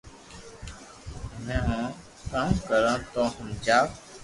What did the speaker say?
ھمي ھون ڪاو ڪرو تو ھمجاو